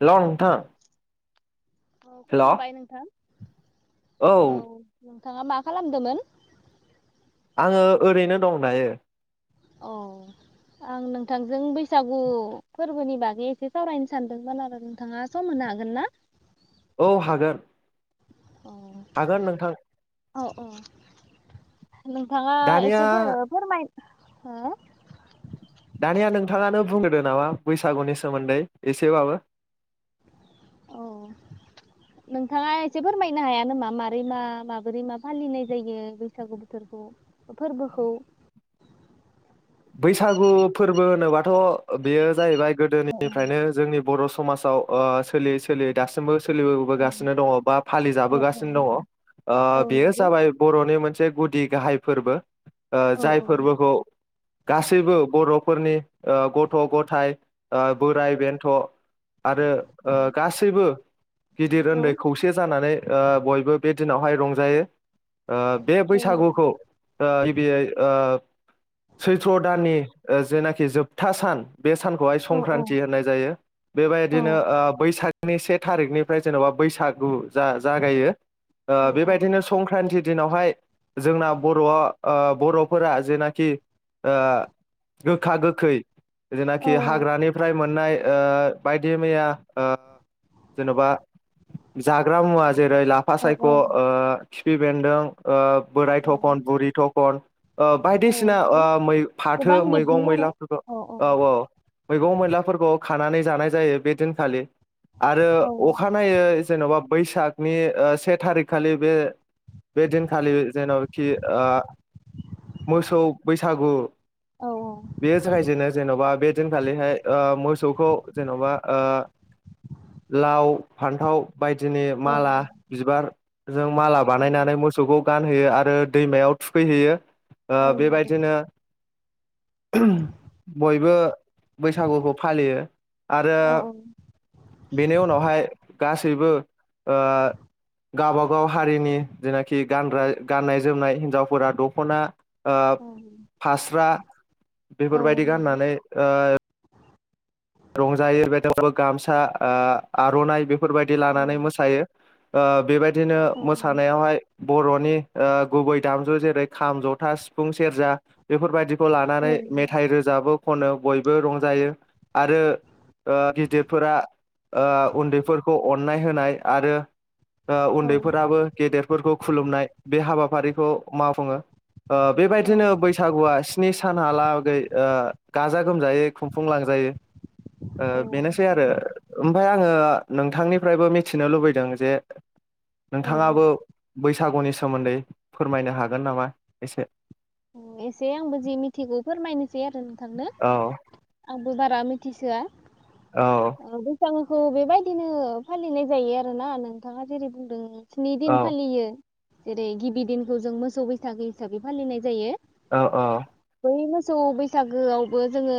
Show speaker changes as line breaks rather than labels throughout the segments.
हेल' नोंथां।
औ
हेल'
खुलुमबाय
औ
नोंथां औ नोंथाङा मा खालामदोंमोन?
आङो ओरैनो दं दायो।
औ आं नोंथांजों बैसागु फोरबोनि बागै एसे सावरायनो सानदोंमोन आरो नोंथाङा सम होनो हागोन ना?
औ हागोन। हागोन नोंथां।
औ औ। नोंथाङा
दानिया
एसे फोर फोरमाय हो?
दानिया नोंथाङानो बुंगोदो नामा बैसागुनि सोमोन्दै एसेबाबो।
औ नोंथाङा एसे फोरमायनो हाया नामा माबारै मा माबोरै मा फालिनाय जायो बैसागु बोथोरखौ? फोरबोखौ?
बैसागु फोरबो होनोबाथ' बेयो जाहैबाय।
औ
गोदोनिफ्रायनो जोंनि बर' समाजाव ओ सोलियै सोलियै दासिमबो।
औ
सोलिबोबोगासिनो दङ बा फालि
औ औ
जाबोगासिनो दङ ओ
औ
बेयो
नंगौ
जाबाय बर'नि मोन से गुदि गाहाय फोरबो। ओ
औ
जाय
औ
फोरबोखौ गासैबो बर'फोरनि ओ गथ' गथाय ओ बोराय बेन्थ'आरो
औ
ओ गासैबो गिदिर
औ
उन्दै खौसे जानानै। ओ बयबो बे दिनावहाय रंजायो। ओ बे
औ
बैसागुखौ ओ गिबियै ओ सैथ्र' दाननि ओ जेनाखि जोबथा सान बे सानखौहाय
औ औ
संक्रान्ति होननाय जायो बेबायदिनो ओ बैसाग। नि से थारिखनिफ्राय जेन'बा बैसागु जा-जागायो। ओ
औ
बेबायदिनो संक्रान्ति। दिनावहाय जोंना बर' ओ बर'फोरा जेनाखि। ओ गोखा गोखै जेनाखि
औ
हाग्रानिफ्राय मोन नाय ओ बायदि मैया ओ जेनबा जाग्रा मुवा। जेरै लाफा सायख ओ खिफि बेन्दों। ओ बोराय
औ
थखन बुरि थखन ओ
औ
बायदिसिना
नंगौ
ओ मै फाथो
गोबां बिदनि
मैगं
आरो
मैलाफोरखौ औ औ मैगं मैलाफोरखौ। खानानै जानाय जायो बे दिनखालि। आरो
औ
अखानायनायै जेनबा बैसाग। नि ओ से थारिक खालि बे बे दिनखालि जेनखि ओ मोसौ बै सागु।
औ
बेयो जागायजेनो जेनबा बे। दिनखालिहाय ओ मोसौखौ जेनबा ओ लाव फान्थाव। बायदिनि
औ
माला बिबार। जों माला
औ
बानायनानै मोसौखौ। गानहोयो आरो दैमायाव थुखैहैयो। ओ
औ
बेबाय
नंगौ
बिदिनो बयबो बैसागुखौ फालियो आरो
औ
बेनि उनावहाय गासैबो ओ गाबागाव हारिनि जेनाखि गानग्रा गाननाय जोमनाय हिनजावफोरा दख'ना ओ
औ
फास्रा
औ
बेफोरबायदि
नंगौ
गाननानै ओ रंजायो [unintelligible] गामसा ओ आर'नाइ बे फोरबायदि
औ
लानानै मोसायो। ओ बेबाय दिनो
औ
मोसानायावहाय बर'नि ओ गुबै दामजु जेरै खाम, जथा, सिफुं, सेरजा बेफोरबायदिखौ लानानै
औ नंगौ
मेथाइ रोजाबो खनो बयबो रंजायो। आरो ओ गिदिरफोरा ओ उन्दैफोरखौ अन्नाय होनाय आरो ओ उन्दैफोराबो गेदेर फोरखौ खुलुमनाय बे हाबाफारिखौ मावफुङो। ओ बेबायदिनो बैसागुआ स्नि सानहालागै ओ गाजा गोमजायै खुंफुंलांजायो। ओ बेनोसै आरो
औ
ओमफ्राय आङो नोंथांनिफ्रायबो मिथिनो लुबैदों जे
औ
नोंथाङाबो बैसा गुनि सोमोन्दै फोरमायनो हागोन नामा एसे?
एसे आंबो जि मिथिगौ फोरमायनोसै आरो नोंथांनो।
औ
[unintelligible] बारा मिथिसोआ।
औ
औ बैसागु खौ बेबायदिनो फालिनाय जायो आरोना नोंथाङा जेरै बुंदों स्नि दिन
औ
फालियो। जेरै गिबि दिनखौ जों मोसौ बैसागो हिसाबै फालिनाय जायो।
औ औ।
बे मोसौ बैसागोआवबो जोङो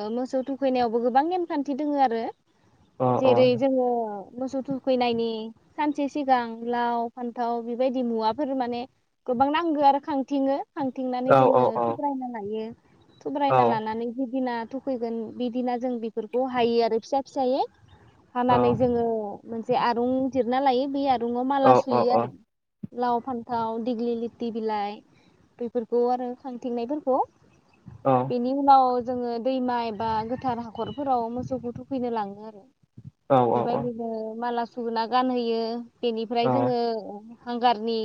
ओ मोसौ थुखैनायावबो गोबां नेमखान्थि दोङो आरो
औ
जेरै जोङो मोसौ थुखैनायनि सानसे सिगां लाव फान्थाव बेबायदि मुवाफोर माने गोबां नांगौ आरो खां थिङो।
औ
खांथिंनानै
औ
जोङो
औ
थुब्रायना लायो। थुब्रायना लानानै जिदिना थुखैगोन बिदिना जों बेफोरखौ हायो आरो फिसा फिसायै
औ
हानानै जोङो मोनसे आरुं जिरना लायो बेै आर दुआव
औ
माला
औ
सुयो आरो। लाव, फान्थाव, दिेग्लि लिथि बिलाइ बेफोरखौ आरो खांथिंनायफोरखौ बिनि उनाव जोङो दैमा एबा गोथार हाखरफोराव मोसौखौ थुखैनो लाङो आरो।
औ
बेबादिनो माला सुना गानहोयो। बेनिफ्राय जोङो हांगारनि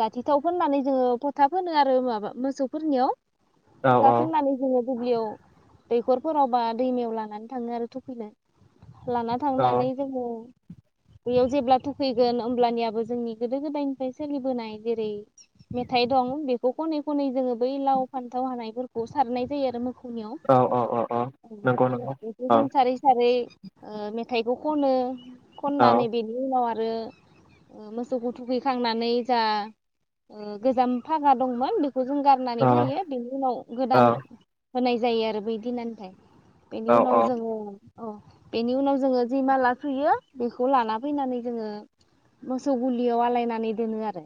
जाथिथाव फोननानै जोङो फथा फोनो आरो माबा मोसौफोरनियाव। फथा फुननानै जोङो दुब्लियाव दैखरफोराव बा दैमायाव लानानै थाङो आरो थुफिनो। लाना थांनानै जोङो बेयाव जेब्ला थुखैगोन होमब्लानियाबो जोंनि गोदो गोदायनिफ्राय सोलिबोनाय जेरै मेथाइ दं बेखौ खनै खनै जोङो बै लाव फान्थाव हानायफोरखौ सारनाय जायो आरो मोखौनियाव।
औ औ औ नंगौ नंगौ
बेखौ
औ
जों सारै सारै ओ मेथाइबो खनो
औ
खननानै बिनि उनाव आथ रो मोसौखौ थुखैखांनानै जा ओ गोजाम फागा दंमोन बे खौ जों गारनानै फैयो बिनि उनाव
औ
गोदान होनाय जायो आरो बै दिनानिफ्राय। बेनि
औ
उनाव जोङो अ बेनि उनाव जोङो जि माला थुयो बेखौ लाना फैनानै जोङो मोसौ गुलियाव आलायनानै दोनो आरो।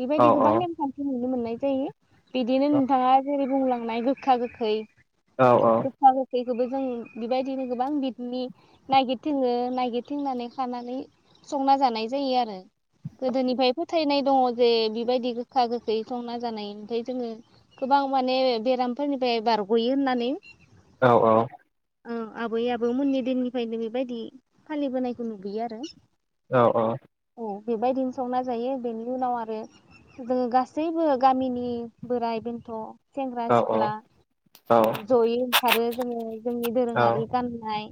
बेबायदि
औ
गोबां नेमखान्थि नुनो मोननाय जायो। बिदिनो नोंथाङा जेरै बुंलां नाय गोखा गोखै गोखा गोखै खोबो जों बेबायदिनो गोबां बिथनि नागिरथिङो नायगिरथिंनानै खानानै संना जानाय जायो आरो। गोदोनिफ्राय फोथायनाय दङ' जे बिबायदि गोखा गोखै संना जानाय ओमफ्राय जोङो गोबां माने बेरामफोरनिफ्राय बारग'यो होननानै।
औ औ।
औ आबै आबौ मोननि दिननिफ्रायनो बेबायदि फालिबोनायखौ नुबोयो आरो।
औ औ
औ बेबायदिनो संना जायो बेनि उनाव आ रो जोङो गासैबो गामिनि बोराइ बेन्थ' सेंग्रा सिख्ला औ जयै ओंखारो जोङो जोंनि दोरोङारि गाननाय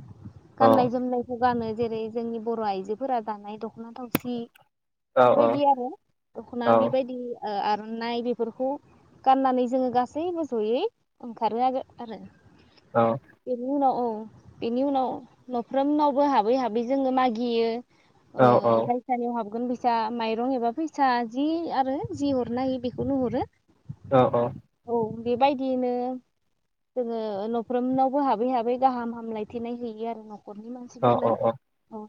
गाननाय जोमनायफोर गानो जेरै जोंनि बर' आइजोफोरा दानाय दख'ना थावसि
औ
बेबायदि आरो।
औ
दख'ना बेबायदि। ओ आर'नाइ बेफोरखौ गाननानै जोङो गासैबो जयै ओंखारो आरो आरो।
औ
बिनि उनाव औ बिनि उनाव न'फ्रोमनावबो हाबै हाबै जोङो मागियो।
औ
ओ जाय सानियाव हाबगोन बि सा माइरं एबा फैसा फिसा जि आरो जि उरनाय हायो बेखौनो हरो।
औ औ
औ बेबायदियैनो जोङो न'फ्रोमनावबो हाबै हाबै गाहाम हामलायथिनाय हैयो आरो न' नख'रनि
औ
मानसिफोरनो औ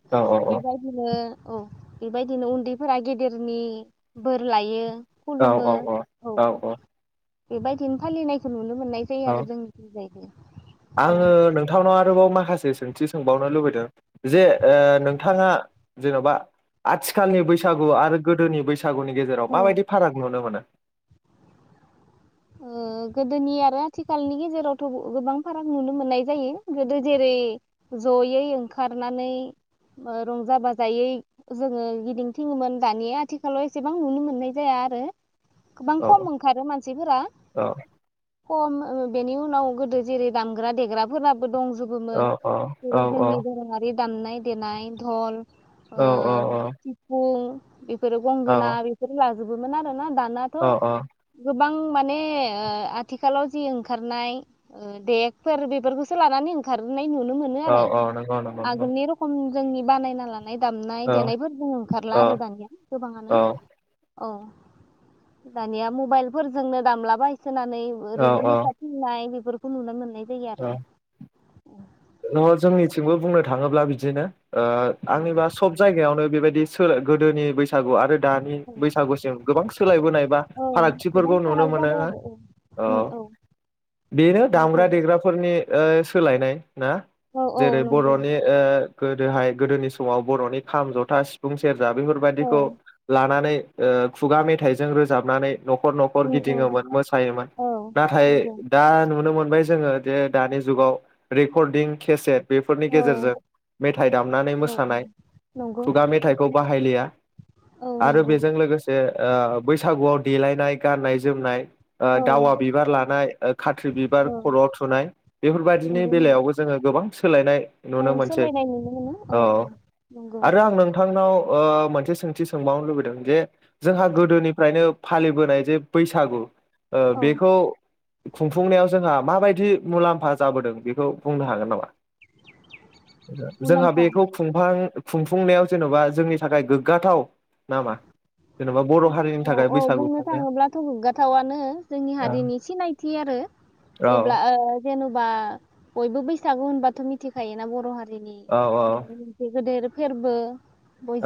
बेबायदिनो औ बेबायदिनो उन्दैफोरा गेदेरनि बोर लायो
औ
खुलुमो
औ औ औ औ
बेबायदिनो फालिनायखौ नुनो मोननाय जायो आरो जोंनिथिंजाय।
आङो नोंथांनाव बोबाव माखासे सोंथि सोंबावनो लुबैदों जे ओ नोंथाङा जेन'बा आथिखालनि बैसागु आरो गोदोनि बैसागु बैसागुनि गेजेराव
औ
माबायदि फाराग नुनो मोनो?
ओ गोदोनि आरो आथिखालनि गेजेरावथ' गोबां फाराग नुनो मोननाय जायो गोदो जेरै जयै ओंखारनानै ओ रंजा बाजायै जोङो गिदिंथिङोमोन दानिया आथिखालाव एसेबां नुनो मोननाय जाया आरो। गोबां खम ओंखारो मानसिफोरा
ओ
खम बेनि उनाव गोदो जेरै दामग्रा देग्रा फोरा
औ
दंजोबोमोन
औ औ
जेरै जोंनि धोरोमारि दामनाय देनाय धल,
औ
ओ
औ
थिफुं, इब इफोर गंगोना बेफोर [unintelligible] इबोमोन आरो ना दा दाथ'
औ
गोब [unintelligible] माने ओ आथिखालाव जि ओंखारनाय देगफोर बेफोरखौसो लानानै ओंखारनाय नुनो मोनो
औ
आरो
औ नंगौ नंगौ नंगौ
आगोलनि रखम जोंनि बानायना लानाय नाय दामनाय
औ
देनायफोरखौ ओंखारला आरो
औ
दानिया गोबाङानो अ दानिया मबाइलफोर जोंनो दामलाबाय नानै
औ
ओरैनो मोसाथिंनाय फोरखौ नुनो मोननाय जायो आरो
अ नङा जोंनिथिंबो बुंनो थाङोब्ला बिदिनो ओ आंनिबा सब जायगायावनो बेबायदि सोलो गोदोनि बैसागु आरो दानि बैसागुसिम गोबां सोलायबोनाय बा
औ गोबां
फारागथिफोरखौ नुनो
फाराग
मोनो।
जाबाय
हो?
आरो औ उम
ओ
औ
बेनो
नंगौ
दामग्रा, देग्रा बे ओ सोलायनाय ना
औ औ
जेरै
नंगौ
बर'नि ओ गोदोहाय गोदोनि समाव बर'नि खाम, जथा, सिफुं, सेर जा
औ
बेफोरबायदिखौ लानानै ओ खुगा मेथाइजों रोजाबनानै न'खर न'खर
उम औ
गिदिङोमोन मोसायोमोन
औ
नाथाय
नंगौ
दा नुनो मोन [unintelligible] जोङो जे दानि जुगाव रेकर्डिं केसेट बेफोरनि
औ
गेजेरजों मेथाइ दामनानै
औ औ
मोसानाय
नंगौ
खुगा मेथाइखौ बाहायलिया।
औ
आरो
नंगौ
बेजों लोगोसे ओ बैसागुआव देलायनाय गाननाय जोमनाय ओ
औ
दावा बिबार लानाय, ओ खाथ्रि बिबार
औ
खर' थु थुनाय बेफोरबायदिनि
नंगौ नंगौ
बेलायावबो जोङो गोबां सोलायनाय नुनो
औ
मोनसै।
सोलायनाय नुनो मोनो औ
ओ
औ नंगौ
आरो आं नोंथांनाव ओ मोनसे सोंथि सोंबावनो लुबैदों जे जोंहा गोदोनिफ्रायनो फालिबोनाय जे बैसागु ओ
औ
बेखौ खुंफुंनायाव जोंहा माबायदि मुलाम्फा जाबोदों बेखौ बुंनो हागोन नामा? जोंहा
मुलाम्फा
बेखौ खुंफां खुंफुंनायाव जेन'बा जोंनि थाखाय गोगाथाव नामा? जेन'बा बर' हारिनि
औ
थाखाय
औ
बैसागु
बुंनो
खुंनाया
थाङोब्लाथ' गोगाथावनो जोंनि
औ
हारिनि सिनायथि आरो जेब्ला ओ जेन'बा बयबो बैसागु होनबाथ' मिथिखायोना बर' हारिनि
औ
देरसिन फोरबो होनना नि माने मोनसे गेदेर फोरबो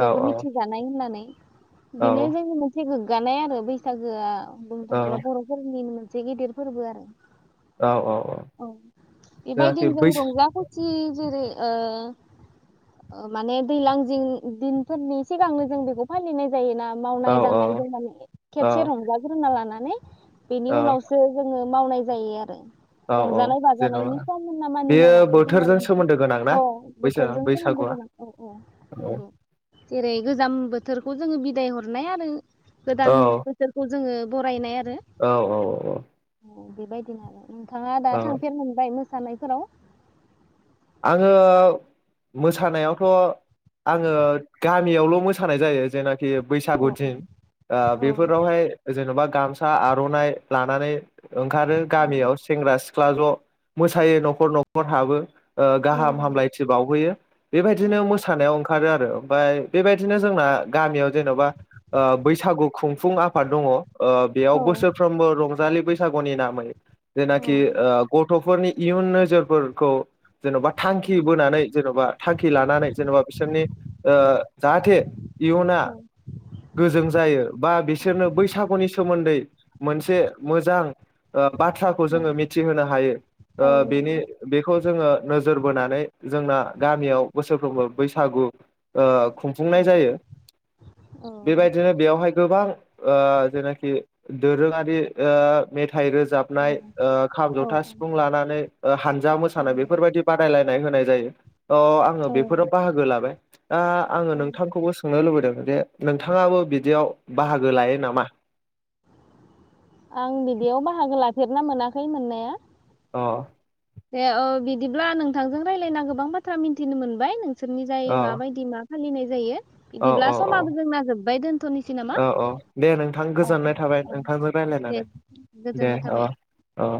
औ
मिथिजानाय होननानै
औ
बिनो जोंनि मोनसे गोगानाय आरो बैसागोआ। बुंनो थांब्ला
औ
बर'फोरनिनो मोनसे गेदेर फोरबो एसे गेदेर फोरबो आरो
औ
औ
जाहाथे
बेबायदिनो जों
बै
रंजा खुसि जेरै ओ ओ माने दैज्लां जिं दिनफोरनि सिगांनो जों बेखौ फालिनाय जायो जोङो
औ
मावनाय दांनायजों माने
औ
खेबसे रंजाग्रोना लानाय जायो बेनि
औ
उनावसो जोङो मावनाय जायो आरो
औ औ
रंजानाय
जेन'बा
बाजानायनि सम होनना मानिना
बेयो
लानाय दं आरो
बोथोरजों
बेखौ
सोमोन्दो गोनां ना
औ
बैसाग
बोथोरजों सोमोनदो
बैसागुआ
गोनां औ औ
औ
नंगौ जेरै गोजां बोथोर बेखौ जोङो बिदाय हरनाय आरो गोदान बोसोरखौ जोङो बरायनाय आरो
औ औ औ औ
बेबायदिनो आरो नोंथाङा दा थांफेरनो मोनबाय नामा सानायफोराव
आङो मोसानायावथ' आङो गामियावल' मोसानाय जायो जेनाखि बैसागु
औ
थिं
औ
बेफोरावहाय जेन'बा गामसा आर'नाइ लानानै ओंखारो गामियाव सेंग्रा सिख्ला ज' मोसायो न'खर न'खर हाबो। ओ
औ
गाहाम हामलायथि बावहोयो बेबायदिनो मोसानायाव ओंखारो आरो ओमफाय बेबायदिनो जोंना गामियाव जेन'बा बैसागु खुंफुं आफाद दङ ओ बेयाव
औ
बोसोरफ्रोमबो रंजायो रंजालि बैसागुनि नामै
औ
जेनाखि गथ'फोरनि इयुन नोजोरफोरखौ जेन'बा
औ
थांखि बोनानै जेन'बा थांखि लानानै जेनेबा बिसोरनि ओ- जाहाथे इयुना गोजों जायो बा
औ
बिसोरनो बैसागुनि सोमोन्दै मोनसे मोजां। औ बाथ्राखौ जोङो मिथिहोनो हायो
औ
ओ-बेनि
नंगौ
बेखौ जोङो। फोरबो बोनानै जोंना गामियाव बोसोरफ्रोमबो बैसागु। ओ-
औ
खुंफुंनाय जायो
औ
बेबायदिनो बेयावहाय। गोबां ओ- जेनाखि दोरोङारि ओ- मेथ थाइ
औ
रोजाबनाय ओ-खाम
औ
जथा सिफुं लानानै। हानजा मोसानाय बे। फोरबायदि बादायलायनाय होनाय। जायो। अ आङो बेफोराव बाहागो लाबाय आ- आङो नोंथांखौबो सोंनो लुबैदों? दे नोंथाङाबो बिदियाव। बाहागो लायो नामा?
फेरनो मोनाखै मोननाया।
अ
दे औ बिदिब्ला नोंथांजों रायज्लायना गोबां बाथ्रा मिन्थिनो मोनबाय नों। बिसोरनि जाय माबायदि मा? फालिनाय जायो। बिदिब्ला समाबो जोंना जोब्बाय दोनथ'नोसै नामा
औ-औ-औ-औ-औ दे नोंथां
औ औ
गोजोननाय थाबाय
औ
नोंथांजों
दे
रायज्लायनानै दे
गोजोननाय थाबाय
ओ-ओ।